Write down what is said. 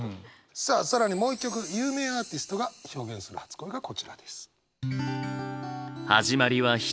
さあ更にもう一曲有名アーティストが表現する初恋がこちらです。